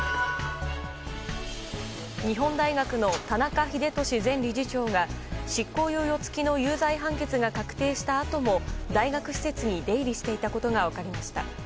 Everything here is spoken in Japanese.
日本大学の田中英壽前理事長が執行猶予付きの有罪判決が確定したあとも大学施設に出入りしていたことが分かりました。